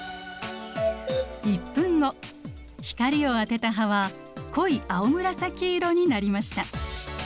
光を当てた葉は濃い青紫色になりました。